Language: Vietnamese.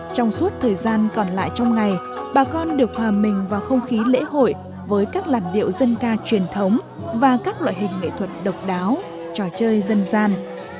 trong suốt thời gian còn lại trong ngày bà con được hòa mình vào không khí lễ hội với các làn điệu dân ca truyền thống và các loại hình nghệ thuật độc đáo trò chơi dân gian